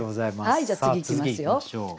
はいじゃあ次いきますよ。